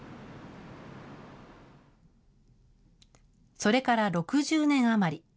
それから６０年余り。